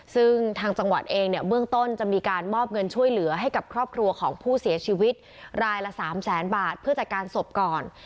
ซึ่งทางจังหวัดเองเนี่ยเบื้องต้นจะมีการมอบเงินช่วยเหลือให้กับครอบครัวของผู้เสียชีวิตรายละ๓แสนบาทเพื่อจัดการศพก่อน